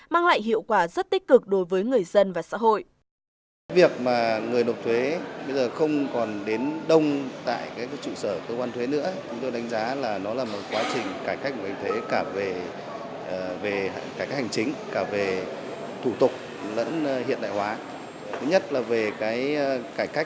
mang lại hiệu quả rất tích cực đối với người dân và xã hội